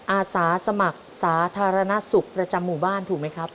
อาสาสมัครสาธารณสุขประจำหมู่บ้านถูกไหมครับ